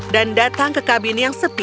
dan datang ke kabin yang sepi